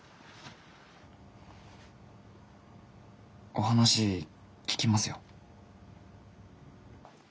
お話聞きますよ。